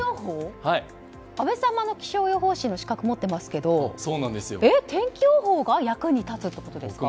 阿部さんも気象予報士の資格を持っていますが天気予報が役に立つってことですか？